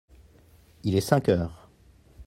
il est cinq heures.